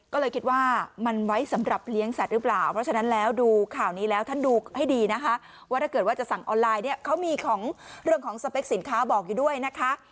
ก็เลยคิดว่ามันไว้สำหรับเลี้ยงสัตว์หรือเปล่าเพราะฉะนั้นแล้วดูข่าวนี้แล้วท่านดูให้ดีนะคะว่าถ้าเกิดว่าจะสั่งออนไลน์เนี่ยเขามีของเรื่องของสเปคสินค้าบอกอยู่ด้วยนะคะ